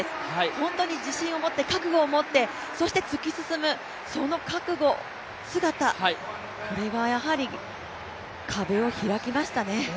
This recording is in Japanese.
本当に自信を持って、覚悟を持ってそして突き進む、その覚悟、姿、これがやはり壁を開きましたね。